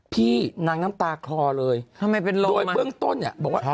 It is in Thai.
พี่นางน้ำตาคลอเลยโดยเบื้องต้นอ่ะ